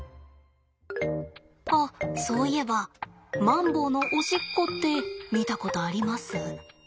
あそういえばマンボウのおしっこって見たことあります？